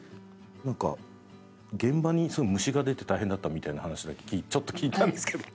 なんか現場にすごい虫が出て大変だったみたいな話だけちょっと聞いたんですけど。